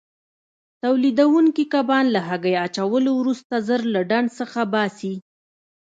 تولیدوونکي کبان له هګۍ اچولو وروسته ژر له ډنډ څخه باسي.